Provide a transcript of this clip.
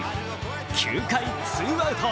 ９回、ツーアウト。